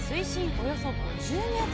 およそ５０ｍ。